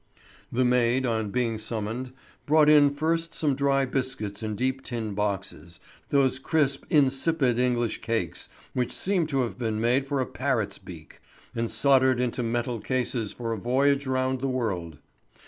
The maid, on being summoned, brought in first some dry biscuits in deep tin boxes, those crisp, insipid English cakes which seem to have been made for a parrot's beak, and soldered into metal cases for a voyage round the world.